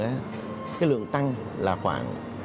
cái lượng tăng là khoảng